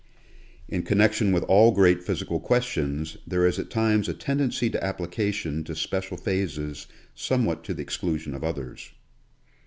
In connection with all great physical questions, there is at times a tendency to application to special phases somewhat to the exclusion of others.